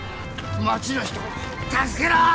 町の人を助けろ！